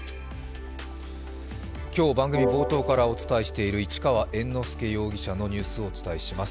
今日、番組冒頭からお伝えしている市川猿之助容疑者のニュースをお伝えします。